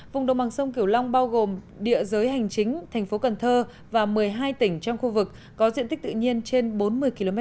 vùng đồng bằng sông kiểu long bao gồm địa giới hành chính thành phố cần thơ và một mươi hai tỉnh trong khu vực có diện tích tự nhiên trên bốn mươi km hai